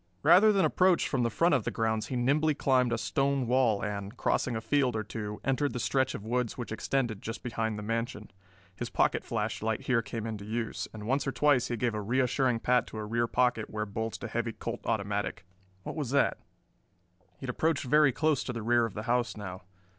Rather than approach from the front of the grounds he nimbly climbed a stone wall and, crossing a field or two, entered the stretch of woods which extended just behind the mansion. His pocket flashlight here came into use, and once or twice he gave a reassuring pat to a rear pocket where bulged a heavy Colt automatic. What was that? He had approached very close to the rear of the house now.